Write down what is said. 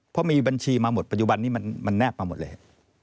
เพราะมีบัญชีมาหมดปัจจุบันนี้มันแนบมาหมดเลย